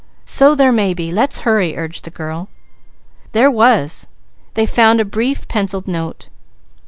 "So there may be! Let's hurry!" urged the girl. There was. They found a brief, pencilled note.